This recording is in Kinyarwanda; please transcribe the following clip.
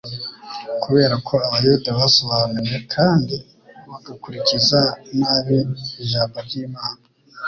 Kubera ko abayuda basobanuye kandi bagakurikiza nabi Ijambo ry'Imana,